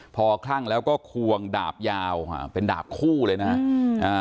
พอคลั่งแล้วก็ควงดาบยาวเป็นดาบคู่เลยนะฮะ